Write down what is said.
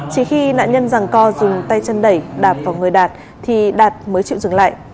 chỉ khi nạn nhân rằng co dùng tay chân đẩy đạp vào người đạt thì đạt mới chịu dừng lại